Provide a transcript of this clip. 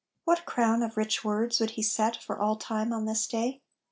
What crown of rich words would he set for all time on this day?